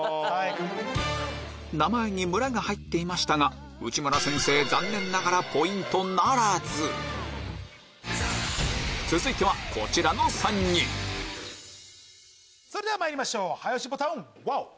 名前に「村」が入っていましたが内村先生残念ながらポイントならず続いてはこちらの３人それではまいりましょう早押しボタンウォール。